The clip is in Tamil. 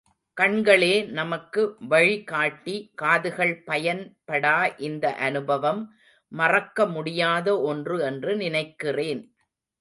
கண்களே நமக்கு வழி காட்டி காதுகள் பயன் படா இந்த அனுபவம் மறக்கமுடியாத ஒன்று என்று நினைக்கிறேன்.